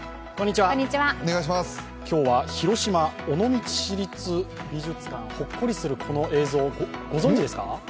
今日は広島・尾道市立美術館ほっこりするこの映像、ご存じですか？